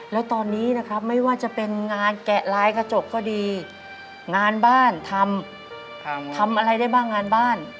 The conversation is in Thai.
แล้วตอนนี้นะครับไม่ว่าจะเป็นงานแกะลายกระจกก็ดีงานบ้านทำทำอะไรได้บ้างงานบ้าน